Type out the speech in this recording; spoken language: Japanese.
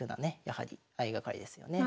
やはり相掛かりですよね。